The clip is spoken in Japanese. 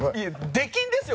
出禁ですよ！